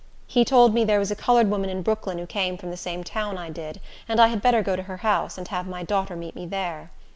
He told me there was a colored woman in Brooklyn who came from the same town I did, and I had better go to her house, and have my daughter meet me there.